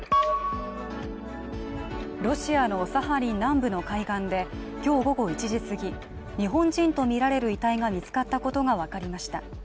ロシアのサハリン南部の海岸で今日午後１時すぎ日本人とみられる遺体が見つかったことが分かりました。